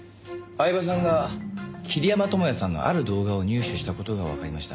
饗庭さんが桐山友哉さんのある動画を入手した事がわかりました。